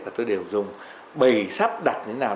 và tôi đều dùng bầy sắp đặt như thế nào